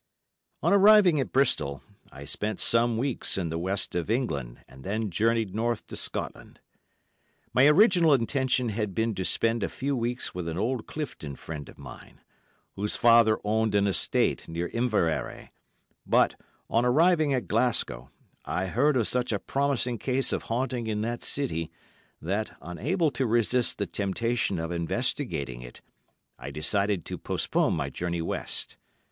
On arriving at Bristol, I spent some weeks in the West of England and then journeyed north to Scotland. My original intention had been to spend a few weeks with an old Clifton friend of mine, whose father owned an estate near Inverary; but, on arriving at Glasgow, I heard of such a promising case of haunting in that city, that, unable to resist the temptation of investigating it, I decided to postpone my journey west.